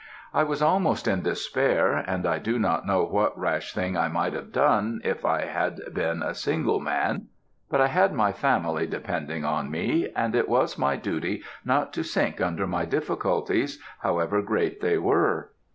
I was almost in despair, and I do not know what rash thing I might have done if I had been a single man; but I had my family depending on me, and it was my duty not to sink under my difficulties however great they were.